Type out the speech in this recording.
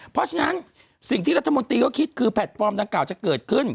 เพราะฉะนั้นสิ่งที่รัฐมนตรีก็คิดคือแพลตฟอร์มดังกล่าวจะเกิดขึ้น